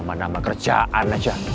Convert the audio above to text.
nama nama kerjaan aja